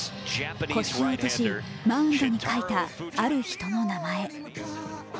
腰を落とし、マウンドに書いたある人の名前。